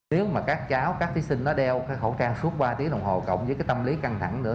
nếu các cháu các thí sinh đeo khẩu trang suốt ba tiếng đồng hồ cộng với tâm lý căng thẳng nữa